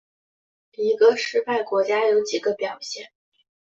一个失败国家有几个表现。